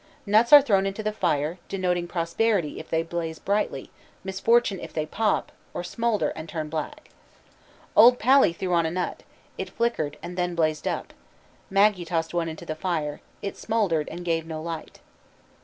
Nuts are thrown into the fire, denoting prosperity if they blaze brightly, misfortune if they pop, or smoulder and turn black. "Old Pally threw on a nut. It flickered and then blazed up. Maggee tossed one into the fire. It smouldered and gave no light."